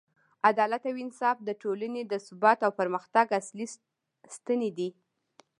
عدالت او انصاف د ټولنې د ثبات او پرمختګ اصلي ستنې دي.